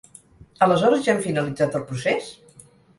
Aleshores ja hem finalitzat el procés?